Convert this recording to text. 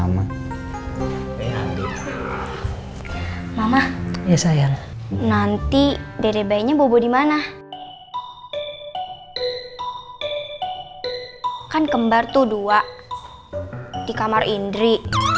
sama sama mama ya sayang nanti dede bayinya bobo dimana kan kembar tuh dua di kamar indri